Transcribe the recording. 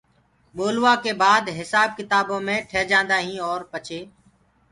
ٻولوآ ڪي بآد هسآب ڪتآبو مي ٺيجآندآئين اور پڇي